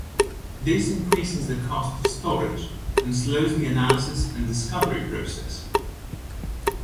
This increases the cost of storage, and slows the analysis and discovery process.